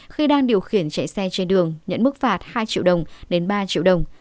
khi đang điều khiển chạy xe trên đường nhận mức phạt hai triệu đồng đến ba triệu đồng